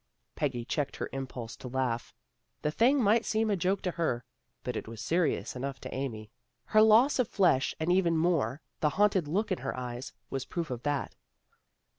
Peggy checked her impulse to laugh. The thing might seem a joke to her, but it was seri ous enough to Amy. Her loss of flesh, and even more the haunted look in her eyes, was proof of that.